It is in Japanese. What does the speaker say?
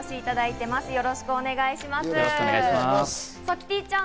キティちゃん。